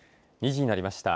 ２時になりました。